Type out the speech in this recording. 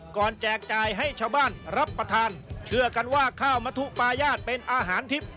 แจกจ่ายให้ชาวบ้านรับประทานเชื่อกันว่าข้าวมะทุปายาทเป็นอาหารทิพย์